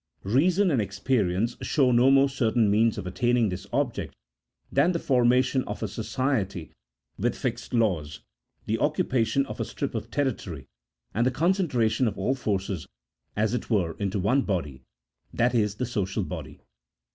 Eeason and experience show no more certain means of attaining this object than the formation of a society with fixed laws, the occupation of a strip of territory, and the • concentration of all forces, as it were, into one body, that is the social body.